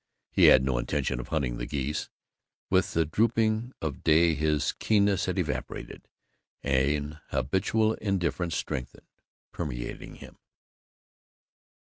He had no intention of hunting the geese. With the drooping of day his keenness had evaporated; an habitual indifference strengthened, permeating him...."